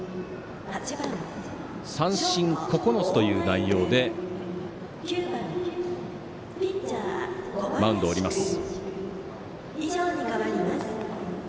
三振９つという内容でマウンドを降ります。